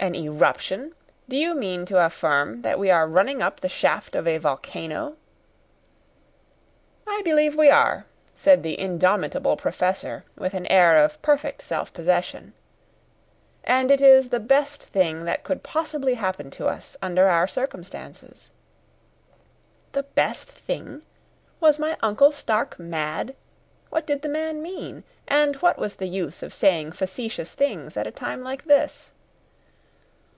"An eruption! Do you mean to affirm that we are running up the shaft of a volcano?" "I believe we are," said the indomitable Professor with an air of perfect self possession; "and it is the best thing that could possibly happen to us under our circumstances." The best thing! Was my uncle stark mad? What did the man mean? and what was the use of saying facetious things at a time like this?